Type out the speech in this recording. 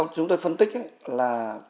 chúng tôi phân tích là